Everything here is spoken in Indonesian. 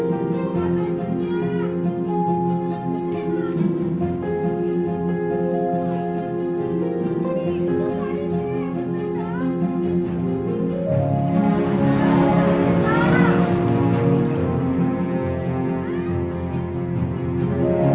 mencoba untuk mencoba